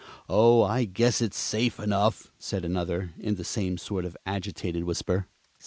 "Oh, I guess it's safe enough!" said another, in the same sort of agitated whisper.